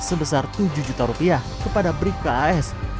sebesar tujuh juta rupiah kepada brik kas